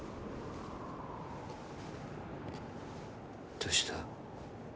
どうした。